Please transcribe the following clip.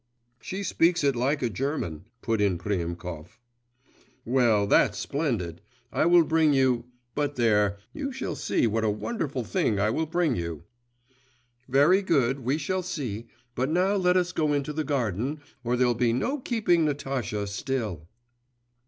'She speaks it like a German,' put in Priemkov. 'Well, that's splendid! I will bring you but there, you shall see what a wonderful thing I will bring you.' 'Very good, we shall see. But now let us go into the garden, or there'll be no keeping Natasha still.